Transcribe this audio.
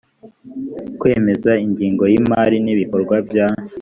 kwemeza ingengo y imari n ibikorwa bya